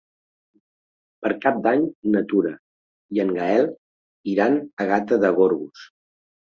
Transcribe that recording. Per Cap d'Any na Tura i en Gaël iran a Gata de Gorgos.